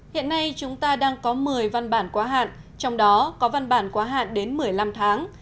hiện nay chúng ta đang có một mươi văn bản quá hạn trong đó có văn bản quá hạn đến một mươi năm tháng